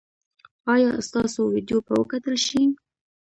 ایا ستاسو ویډیو به وکتل شي؟